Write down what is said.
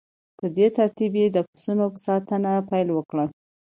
په دې ترتیب یې د پسونو په ساتنه پیل وکړ